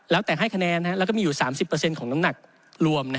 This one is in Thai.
แล้วแต่ให้คะแนนแล้วก็มีอยู่๓๐ของน้ำหนักรวม